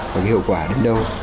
và hiệu quả đến đâu